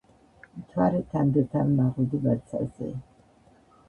მთვარე თანდათან მაღლდება ცაზე